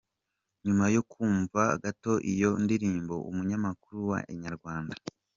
Nyuma yo kumvaho gato iyo ndirimbo umunyamakuru wa Inyarwanda.